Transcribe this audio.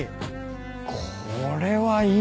これはいい。